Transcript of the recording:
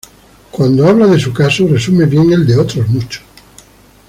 cuando habla de su caso resume bien el de otros muchos